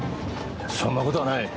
そんな事はない。